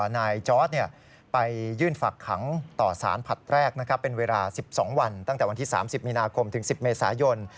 นายจอร์ดไปยื่นฝักขังต่อสารผลัดแรกเป็นเวลา๑๒วันตั้งแต่วันที่๓๐มีนาคมถึง๑๐เมษายน